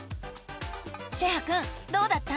シェハくんどうだった？